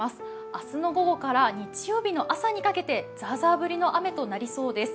明日の午後から日曜日の朝にかけてざーざー降りの雨となりそうです。